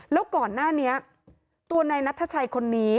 แล้วก่อนหน้านี้ตัวนายนัทชัยคนนี้